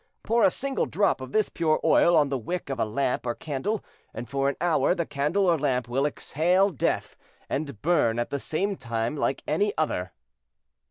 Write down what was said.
Pour a single drop of this pure oil on the wick of a lamp or candle, and for an hour the candle or lamp will exhale death, and burn at the same time like any other."